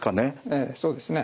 ええそうですね。